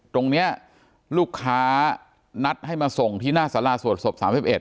ตรงนี้ลูกค้านัดให้มาส่งที่หน้าสาราสวดศพ๓๑